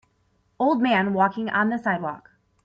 Old man walking on the sidewalk.